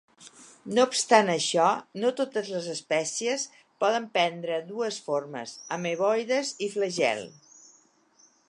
No obstant això, no totes les espècies poden prendre dues formes, ameboides i flagel.